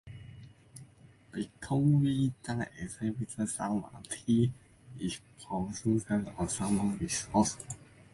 With cold winters and temperate summers, Tabriz is considered a summer resort.